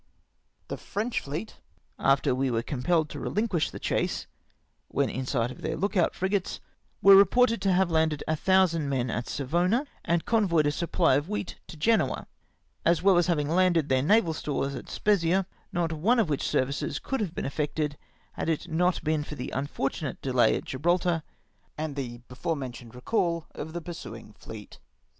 The French fleet, after we were compelled to rehn quish the chase (when in sight of their look out frigates), were reported to have landed 1000 men at Savona, and convoyed a supply of wheat to Genoa, as well as having landed their naval stores at Spezzia, not one of which services could have been effected had it not been for the unfortunate delay at Gibraltar and the before men tioned recall of the pursuing fleet.